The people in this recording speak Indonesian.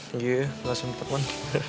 iya gak sempet mon